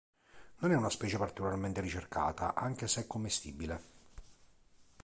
Non è una specie particolarmente ricercata, anche se commestibile.